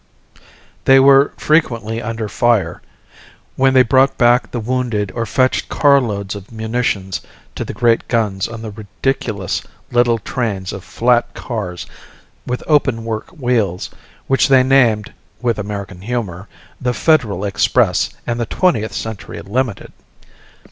They were frequently under fire when they brought back the wounded or fetched car loads of munitions to the great guns on the ridiculous little trains of flat cars with open work wheels, which they named with American humour the Federal Express and the Twentieth Century Limited.